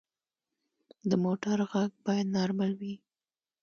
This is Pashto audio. د موټر غږ باید نارمل وي.